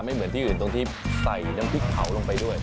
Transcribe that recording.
เหมือนที่อื่นตรงที่ใส่น้ำพริกเผาลงไปด้วย